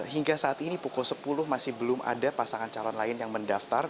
hingga saat ini pukul sepuluh masih belum ada pasangan calon lain yang mendaftar